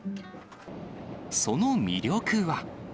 その魅力は。